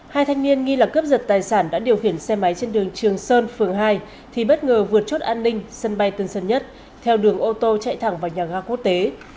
hai thanh niên nghi là cướp giật tài sản đã điều khiển xe máy trên đường trường sơn phường hai thì bất ngờ vượt chốt an ninh sân bay tân sơn nhất theo đường ô tô chạy thẳng vào nhà ga quốc tế